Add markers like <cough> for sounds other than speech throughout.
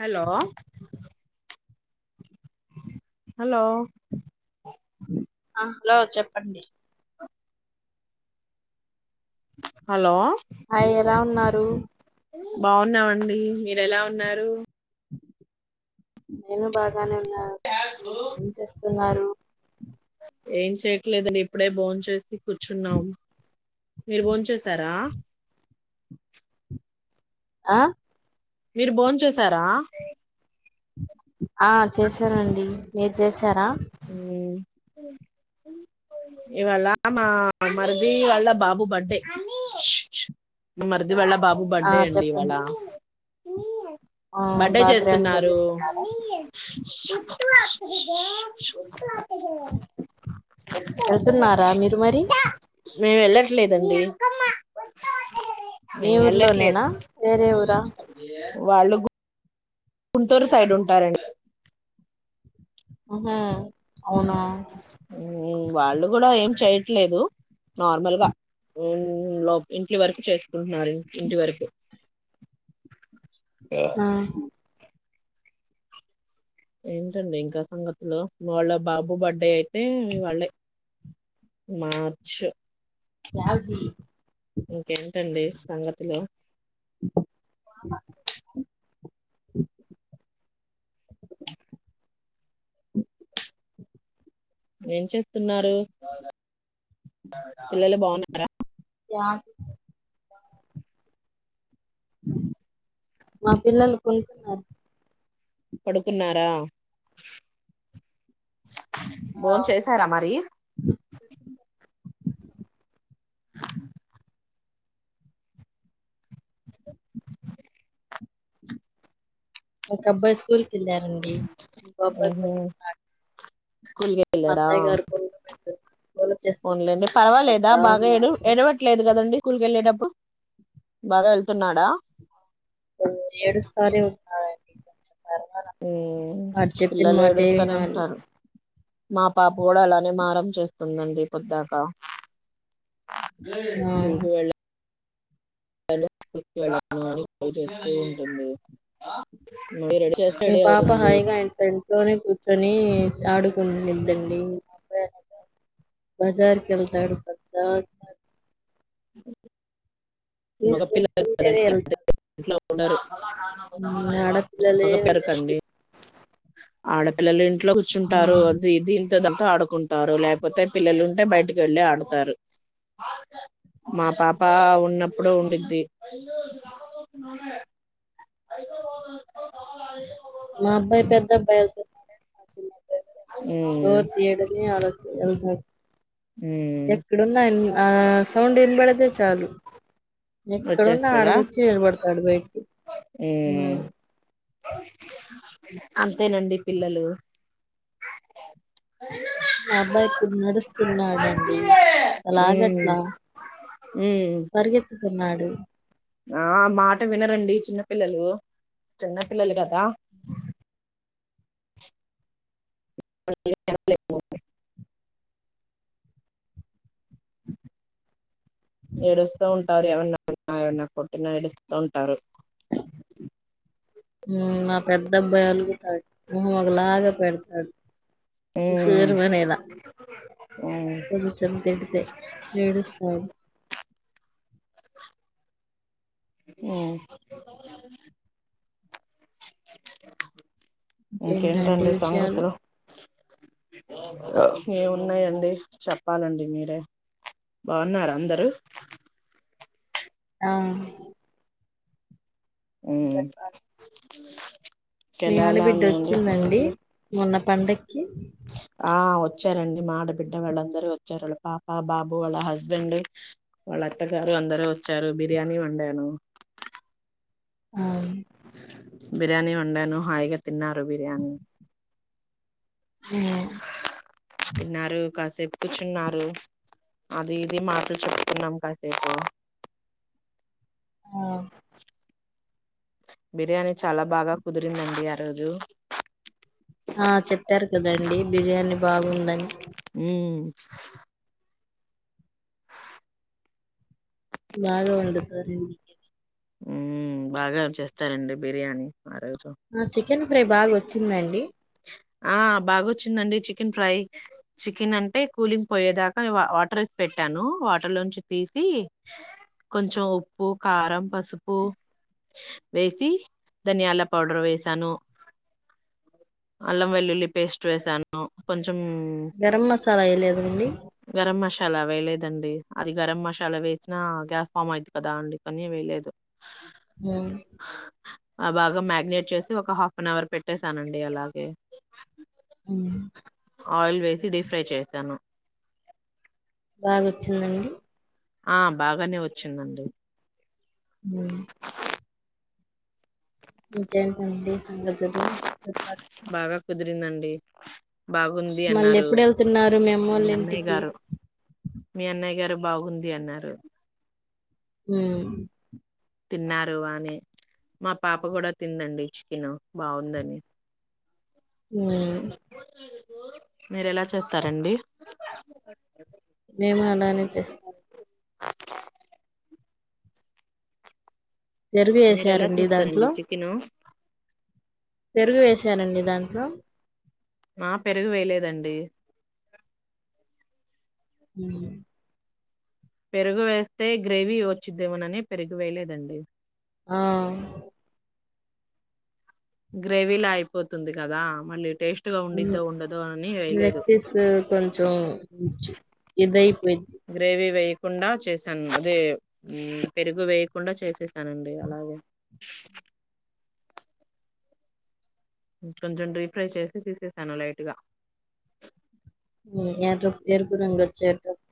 Hello, hello. ఆ hello చెప్పండి. Hello ఆ ఎలా ఉన్నారు బాగున్నామండీ, మీరు ఎలా ఉన్నారు. నేనూ బా నే ఉన్నా. ఏం చేస్తు తున్నారూ ఏం చేయట్లేదండి ఇప్పుడే బోన్ చేసి కూర్చున్నాం. మీరు బోన్ చేసారా. ఆ మీరు బోన్ చేసారా ఆ చేశానండి. మీర్ జేస్ తరా ఇవాళా మా మరిదీ వాళ్ళ బాబు బర్డే. మా మరిది ర్ది వాళ్ళ బాబు ఆ బర్త్డే అండి చెప్పండి ఇవాళా ఆ బర్డే బాగా గ్రాండ్ గా చేస్తున్నారూ చేస్తున్నారా చుట్టూ అక్కడకే చుట్టూ అక్కడే వెళ్తున్నారా మీరు మరి మేము వెళ్ళట్లేదండి. మీ మేము వెళ్ళట్లేదు ఊర్లోనేనా వేరే ఊరా వాళ్ళు గుంటూరు సైడ్ ఉంటారండి ఆహా మ్మ్ వాళ్ళు గూడా ఏం చేయ ట్లేదు నార్మల్గా. ఇంటి వరకు చేసుకుంటున్నారు. ఇంటి వరకు ఆ ఏంటండి ఇంకా సంగతులు వాళ్ళ బాబు బర్త్డే అయితే వాళ్ళే మార్చ్. టాక్సీ ఇంకేంటండి సంగతులు <inaudible> <inaudible> ఏం చేత్తున్నారు పిల్లలు బావున్నారా <unintelligible> మా పిల్లలు కొంటున్నారు పడుకున్నారా ఆ బోన్ చేశారా మరి <inaudible> <inaudible> <inaudible> ఒక అబ్బాయి స్కూల్కి వెళ్ళారండి ఇంకో అబ్బాయి ఊహూ పడుకున్నాడు స్కూల్ గె వెళ్ళాడా <inaudible> ఫోన్ లెండి పర్వాలేదా బాగా ఎడు చేస్తున్నారు ఎడవట్లేదు గదండి స్కూల్ గెళ్ళటప్పుడు బాగా వెల్ ఏడుస్తానే ఉన్నాడండి ఉ చెప్పిన పిల్లలు మాటే ఏడుస్తనే వినాలి ఉంటారు మా పాప గూడా అలానే మారం చేస్తుందండి పొద్దాక ఆ ఇంకా వెళ్ల <unintelligible> అని చేస్తూ ఉంటుంది మళ్ళీ రెడీ చేస్తే మీ రెడీ పాప అవుతుంది హాయ్ గ ఎల్తాది లోనే కూర్చొని ఆడుకునిద్దండి బజార్ వెళ్తాడు పెద్ద ఊ మగ పిల్లలు తీసుకొస్తుంటేనే కదండి వెళ్తాడు ఇంట్లో ఉండరు మ్మ్ ఉ ఆడపిల్లలే మగ బెస్ట్ పెరకండి ఆడపిల్లలేంటి ఇంట్లో కూర్చుంటారు మ్మ్ అదిది పెద్దలతో ఆడుకుంటారు లేకపోతే పిల్లలు ఉంటే బయటికి వెళ్ళి ఆడతారు మా పాప ఉన్నప్పుడు ఉండిద్ది మా అబ్బాయి పెద్ద <inaudible> ఉమ్ డోర్ తీయడమే ఆలస్యం స <unintelligible> ఉమ్ ఎక్కడున్నా ఆయన్ ఆ సౌండ్ వినబడితే చాలు ఎక్కడున్నా వచ్చేస్తాడా ఆడగొచ్చి నిలబడతాడు బయటికి. ఊ ఉమ్ అంతేనండి పిల్లలు మా అబ్బాయి ఇప్పుడు నడుస్తున్నాడండి ఉమ్ అసలాగట్లా ఉమ్ పరిగెత్తు తున్నాడు ఆ మాట వినరండి చిన్నపిల్లలు చిన్నపిల్లలు కదా వద్దులే టాబ్లెట్ ఏడుస్తా ఉం <unintelligible> నడుస్తుంటారు హ్మ్ మా పెద్ద అబ్బాయి అలుగుతాడు మొహం ఒకలాగ పెడతాడు ఉమ్ ఉసూరునేలా ఉమ్ కొంచెం తిడితే ఏడుస్తాడు హ్మ్ ఇంకేంటండి సంగతులు ఏమున్నాయండి చెప్పాలండి మీరే బావున్నారా అందరూ ఆ హ్మ్ అ మీ ఆడ బిడ్డ వచ్చిందండి మొన్న పండగక్ ఆ వ వచ్చారండి మా ఆడబిడ్డ వాళ్ళందరూ వచ్చారు వాళ్ళ పాప బాబు వాళ్ళ హస్బెండ్ వాళ్ళ అత్తగారు అందరూ వచ్చారు బిర్యానీ వండాను అవును బిర్యానీ వండాను హాయిగా తిన్నారు బిర్యానీ ఉమ్, తిన్నారు కాసేపు కూచున్నారు అది ఇది మాటలు చెప్పుకున్నాం కాసేపు ఆ బిర్యానీ చాలా బాగా కుదిరిందండి ఆ రోజు ఆ చెప్పారు కదండి బిర్యానీ బాగుందని ఉమ్ బాగా వండుతారు మీరు హ్మ్ బాగా చేస్తారండి బిర్యానీ ఆ రోజు ఆ చికెన్ ఫ్రై బాగా వచ్చిందండి ఆ బాగొచ్చిందండి చికెన్ ఫ్రై చికెన్ అంటే కూలింగ్ పోయేదాకా వాటర్ పెట్టాను వాటర్లోంచి తీసి కొంచెం ఉప్పు కారం పసుపు వేసి ధనియాల పౌడర్ వేసాను. అల్లం వెల్లుల్లి పేస్ట్ వేసాను కొంచం గరం మసాల ఎయలేదండి అలా వేయలేదండి అది గరం మసాలా వేసినా గ్యాస్ ఫామ్ అయిద్ది కదా అందుకని వేయలేదు. హ్మ్ ఆ బాగా మ్యాగినేట్ చేసి ఒక హాఫ్ అన్ అవర్ పెట్టేసానండి అలా ఓకే ఉమ్ ఆయిల్ వేసి డీప్ ఫ్రై చేశాను బాగోచ్చిందండి ఆ బాగానే వచ్చిందండి మ్ ఇంకేంటండి సంగతులు చెప్పాలి బాగా కుదిరిందండి బాగుంది మళ్ళీ అన్నారు ఎప్పుడు వెళ్తున్నారు అమ్మోళ్ళ మీ అన్నయ్య ఇంటికి గారు మీ అన్నయ్య గారు బాగుంది అన్నారు ఉమ్ తిన్నారు బానే మా పాప కూడా తిందండి చికిను బాగుందని మ్ మీరు ఎలా చేస్తారండి మేము అలానే చేస్తాం పెరుగు మీరు ఎలా వేసారండి చేస్తారండి దాంట్లో చికెను పెరుగు వేశారండి దాంట్లో ఆ పెరుగు వేయలేదండి మ్ పెరుగు వేస్తే గ్రేవీ వచ్చిద్దేమోనని పెరుగువేయలేదండి ఆ గ్రేవీలా అయిపోతుంది కదా మళ్ళీ టేస్ట్ గా మ్ ఉండిద్దో ఉండదో అని లెగ్ వేయలేదు పీస్ కొంచం ఇదైపోద్ది కుండా చేశాను అదే మ్ పెరుగు వేయకుండా చేసేసానండి అలాగే కొంచెం డీప్ ఫ్రై చేసి తీసేసాను లైట్ గా ఏ ఎరుపు రంగు వచ్చేవరకు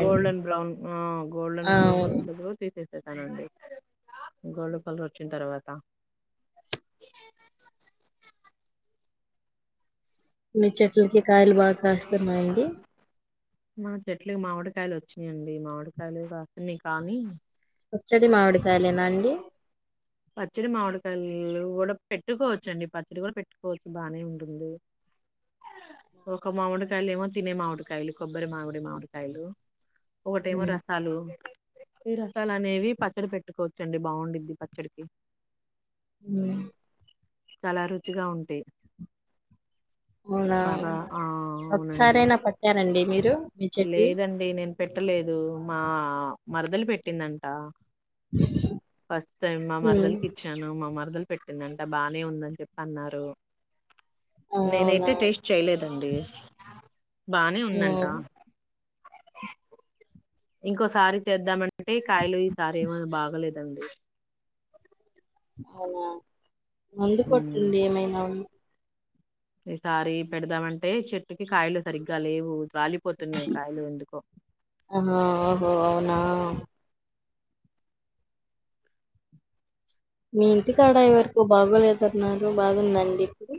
గోల్డెన్ బ్రౌన్ గోల్డెన్ ఆ బ్రౌన్ అవును వచ్చేటగ్గర తీసేసేస్తానండి గోల్డ్ కలర్ వచ్చిన తర్వాత మీ చెట్లకి కాయలు బాగా కాస్తున్నాయండి మా చెట్లకి మామిడికాయలు వచ్చినాయండి మామిడికాయలు కాస్తున్నాయి కానీ పచ్చడి మామిడి కాయాలేనా అండి పచ్చడి మామిడికాయలు కూడా పెట్టుకోవచ్చండి పచ్చడి కూడా పెట్టుకోవచ్చు బానే ఉంటుంది ఒక మామిడికాయలు ఏమో తినే మామిడికాయలు కొబ్బరి మామిడి మామిడికాయలు. ఒకటెమో హ్మ్ రసాలు ఈ రసాలు అనేవి పచ్చడి పెట్టుకోవచ్చండి బాగుండిద్ది ప చ్చడికి మ్ చాలా రుచిగా ఉంటి అవునా అవునండి ఒకసారైనా పట్టారండి మీరు మీ చెట్టువి? లేదండి నేను పెట్టలేదు మా ఆ మరదలు పెట్టిందంట ఫస్ట్ టైమ్ మా హ్మ్. మరదలకి ఇచ్చాను మా మరద మొదలు పెట్టిందంట బాగానే ఉందని చెప్పి అన్నారు. ఆ! అవునా! నేనైతే టేస్ట్ చేయలేదండి బానే ఉందంట. హ్మ్. ఇంకోసారి చేద్దామంటే కాయలు ఈసారి ఏమ బాగలేదండి. అనా మందు ఉమ్ కొట్టండి ఏమైనా ఉ ఈసారి పెడదామంటే చెట్టుకి కాయలు సరిగ్గా లేవు. రాలిపోతున్నాయి కాయలు ఎందుకో ఆహో అవునా మీ ఇంటికాడాయ వరకు బాగోలేతున్నారు బాగుందండి ఇప్పుడు.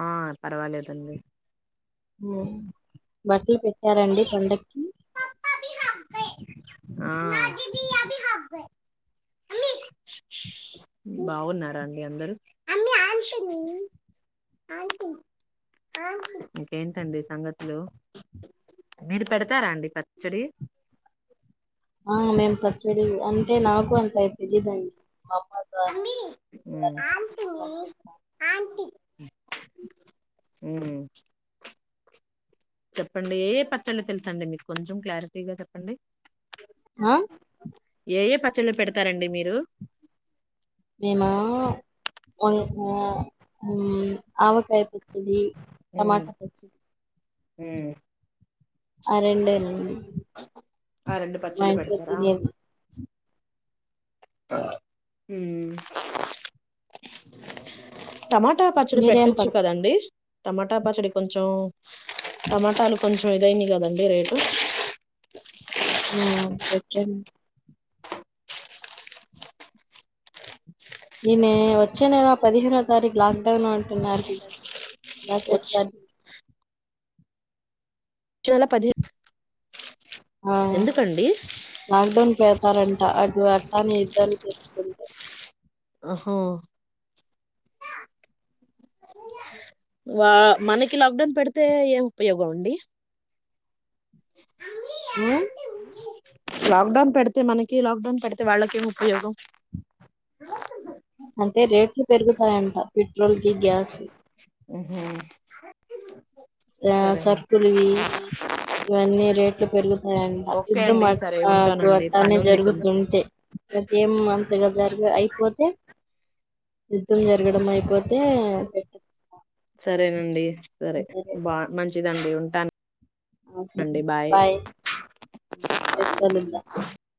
ఆ పర్వాలేదండి బట్టలు పెట్టారండి పండకి. <unintelligible> బాగున్నారా అండి అందరు ఇంకేంటండి సంగతులు మీరు పెడతారా అండి పచ్చడి ఆ మేం పచ్చడి అంటే నాకు అంత తెలీదండి. అమ్మ ద్వారా అమ్మి మీ ఉమ్, ద్వారా తీసుకొని పెట్టను అ చెప్పండి ఏ పచ్చళ్ళు తెలుసండి మీకు కొంచెం క్లారిటీగా చెప్పండి. ఆ ఏ ఏ పచ్చళ్ళ పెడతారండి మీరు మేమా ఆవకా పెడ చ్చది టమాటా పచ్చది హ ఆ రెండి రండి ఆ రెండు పచ్చళ్ళు పెడతారా తినేవి అ టమాటా పచ్చడి మీరేం పెట్టొచ్చు పడతారు కదండి టమాటా పచ్చడి కొంచెం టమాటాలు కొంచెం ఇదైంది కదండి రేటు ఆ పెటన్నా ఈయన వచ్చే నెల పదిహేనో తారీఖు లాక్డౌన్ అంటున్నారు అ చేస్త వచ్చి చాల పది ఆ లాక్డౌన్ చేతారంట అటు అర్థాన్ని యుద్ధాలు చెప్పుకుంటే. హో వా మనకి లాక్డౌన్ పెడితే ఏం ఉపయోగం అండి. ఉ లాక్డౌన్ పెడితే మనకి లాక్డౌన్ పెడితే వాళ్ళకేం ఉపయోగం అంటే రేట్లు పెరుగుతాయంట పెట్రోల్ కి గ్యాస్ ఉ ఆ సరుకులువి ఇవన్నీ రేట్లు పెరుగుతాయన్న ఓకే యుద్ధం అండి అ సరే అటు ఉంటానండి పని అట్టానే ఉంది కొంచెం జరుగుతుంటే అ ఏం అంతగా జరి అయిపోతే యుద్ధం జరగడం అయిపోతే సరేనండి సరే బా మంచి దండి ఉంటాను బాయ్